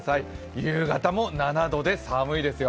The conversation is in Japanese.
夕方も７度で寒いですよ。